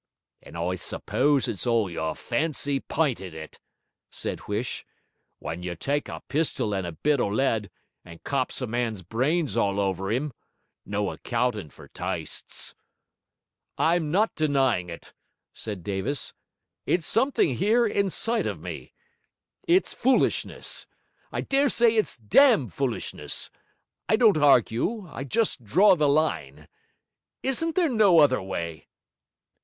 'And I suppose it's all your fancy pynted it,' said Huish, 'w'en you take a pistol and a bit o' lead, and copse a man's brains all over him? No accountin' for tystes.' 'I'm not denying it,' said Davis, 'It's something here, inside of me. It's foolishness; I dare say it's dam foolishness. I don't argue, I just draw the line. Isn't there no other way?'